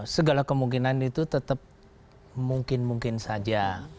segala kemungkinan itu tetap mungkin mungkin saja